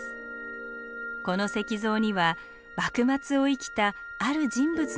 この石像には幕末を生きたある人物の思いが込められています。